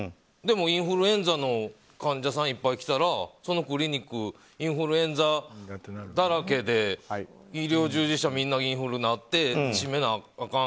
でもインフルエンザの患者さんいっぱい来たらそのクリニックがインフルエンザだらけで医療従事者みんながインフルになって閉めなあ